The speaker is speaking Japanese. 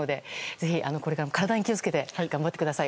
ぜひこれからも体に気を付けて頑張ってください。